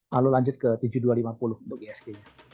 lalu lanjut ke tujuh dua ratus lima puluh untuk isg nya